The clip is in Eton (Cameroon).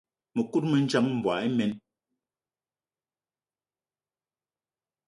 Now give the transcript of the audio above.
Mëkudgë mendjang, mboigi imen.